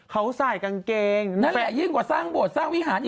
เขาใส่กางเกงนั่นแหละยิ่งกว่าสร้างโบสถสร้างวิหารอีก